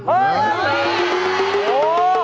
โอ้โห